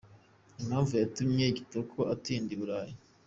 Impamvu yatumye Kitoko atinda i Burayi